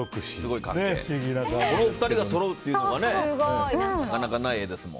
このお二人がそろうっていうのがなかなかない画ですもん。